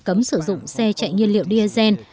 cấm sử dụng xe chạy nhiên liệu diesel